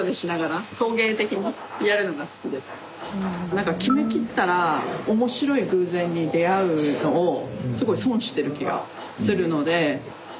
何か決めきったら面白い偶然に出合うのをすごい損してる気がするので。